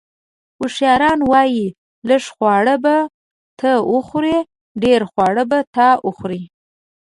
اوښیاران وایي: لږ خواړه به ته وخورې، ډېر خواړه به تا وخوري.